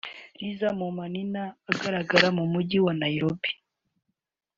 riza mu manini agaragara mu Mujyi wa Nairobi